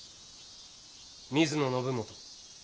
水野信元。